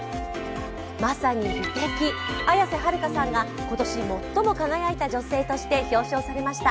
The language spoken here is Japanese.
まさに美的、綾瀬はるかさんが今年最も輝いた女性として表彰されました。